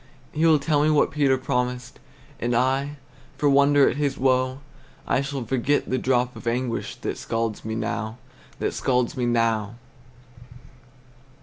He will tell me what Peter promised, And I, for wonder at his woe, I shall forget the drop of anguish That scalds me now, that scalds me now.